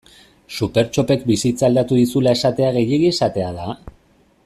Supertxopek bizitza aldatu dizula esatea gehiegi esatea da?